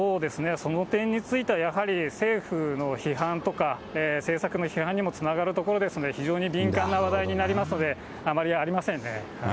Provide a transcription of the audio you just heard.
その点については、やはり、政府の批判とか、政策の批判にもつながるところですので、非常に敏感な話題になりますので、あまりありませんね。